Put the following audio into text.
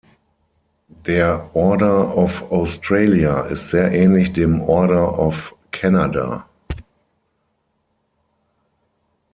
Der Order of Australia ist sehr ähnlich dem Order of Canada.